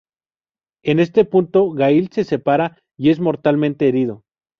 En este punto Gail se separa y es mortalmente herido.